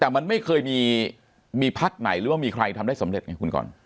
แต่มันไม่เคยมีพักไหนหรือว่ามีใครทำได้สำเร็จไงคุณก่อน